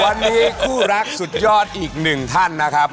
วันนี้คู่รักสุดยอดอีกหนึ่งท่านนะครับ